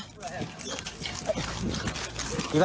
มึทย์เดี๋ยว